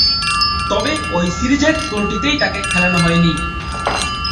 তবে, ঐ সিরিজের কোনটিতেই তাকে খেলানো হয়নি।